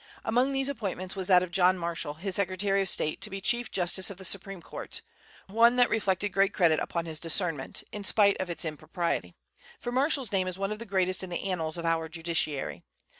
Among these appointments was that of John Marshall, his Secretary of State, to be Chief Justice of the Supreme Court, one that reflected great credit upon his discernment, in spite of its impropriety, for Marshall's name is one of the greatest in the annals of our judiciary.